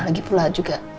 lagi pulau juga